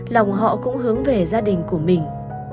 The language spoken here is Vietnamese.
lòng họ cũng hướng về gia đình của mình